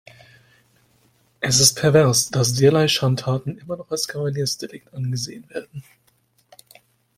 Es ist pervers, dass derlei Schandtaten immer noch als Kavaliersdelikt angesehen werden.